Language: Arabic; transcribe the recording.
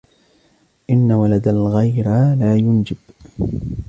إنَّ وَلَدَ الْغَيْرَى لَا يُنْجِبُ